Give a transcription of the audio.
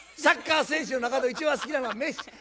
サッカー選手の中で一番好きなのはメッシ。